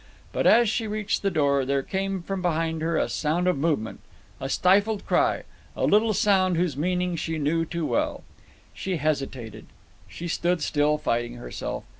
But, as she reached the door, there came from behind her a sound of movement, a stifled cry, a little sound whose meaning she knew too well. She hesitated. She stood still, fighting herself.